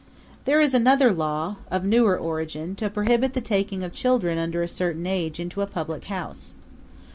There is another law, of newer origin, to prohibit the taking of children under a certain age into a public house.